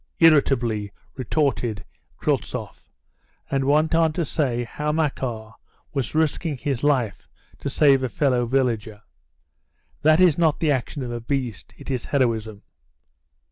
irritably retorted Kryltzoff, and went on to say how Makar was risking his life to save a fellow villager. "That is not the action of a beast, it is heroism."